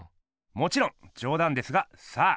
もちろんじょうだんですがさあ